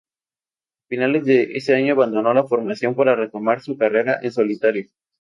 A finales de ese año abandonó la formación para retomar su carrera en solitario.